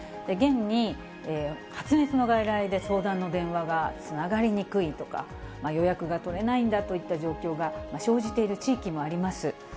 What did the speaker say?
現に発熱の外来で相談の電話がつながりにくいとか、予約が取れないんだといった状況が生じている地域もあります。